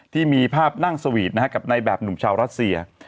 ที่มีภาพนั่งสวีทกับในแบบหนุ่มชาวรัสเซีย